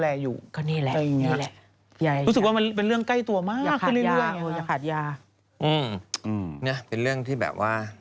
แต่ไม่ผมจะกินแบบ